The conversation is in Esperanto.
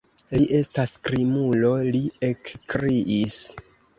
Li estas krimulo, li ekkriis.